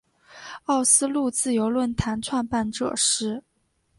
奥斯陆自由论坛创办者是。